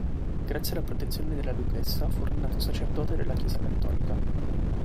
Grazie alla protezione della duchessa fu ordinato sacerdote della Chiesa Cattolica.